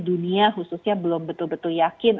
dunia khususnya belum betul betul yakin